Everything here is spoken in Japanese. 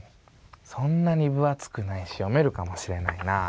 そんなに分厚くないし読めるかもしれないなあ。